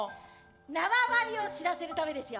縄張りを知らせるためですよ。